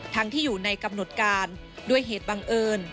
ที่อยู่ในกำหนดการด้วยเหตุบังเอิญ